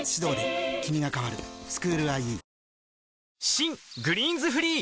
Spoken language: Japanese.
新「グリーンズフリー」